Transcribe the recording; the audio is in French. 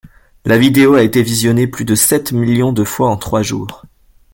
La vidéo a été visionnée plus de sept millions de fois en trois jours.